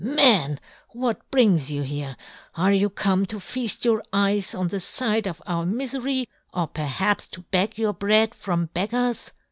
" Man — what brings you " here ? Are you come to feaft your " eyes on the fight of our mifery, " or, perhaps, to beg your bread from " beggars.''"